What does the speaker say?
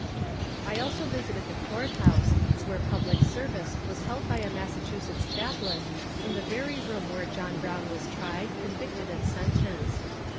I also visited the court house, where public service was held by a Massachusetts chaplain in the very room where John Brown was tried, convicted and sentenced.